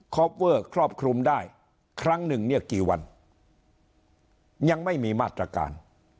ปเวอร์ครอบคลุมได้ครั้งหนึ่งเนี่ยกี่วันยังไม่มีมาตรการ